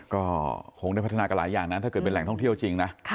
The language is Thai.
ก็คงได้พัฒนากันหลายอย่างนะถ้าเกิดเป็นแหล่งท่องเที่ยวจริงนะ